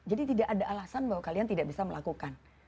jadi tidak ada alasan bahwa kalian tidak bisa melakukan